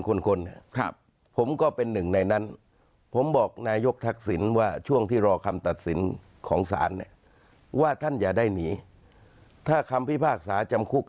ของศาลเนี่ยว่าท่านอย่าได้หนีถ้าคำพิพากษาจำคุก